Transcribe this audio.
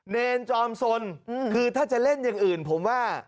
เนรจอมสนคือถ้าจะเล่นอย่างอื่นผมว่า